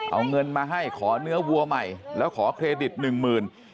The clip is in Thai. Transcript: เอาเงินมาให้ขอเนื้อวัวใหม่แล้วขอเครดิตหนึ่งหมื่น